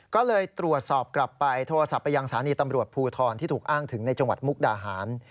ก็เลยตรวจสอบกลับไปโทรศัพท์ไปยังสถานีตำรวจภูทรที่ถูกอ้างถึงในจังหวัดมุกดาหาร